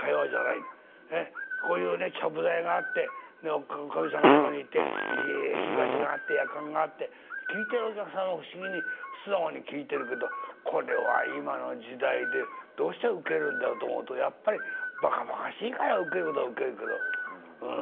こういうねちゃぶ台があってでかみさんがそこにいて火鉢があってやかんがあって聴いてるお客さんは不思議に素直に聴いてるけどこれは今の時代でどうしてウケるんだろうと思うとやっぱりばかばかしいからウケることはウケるけどうん。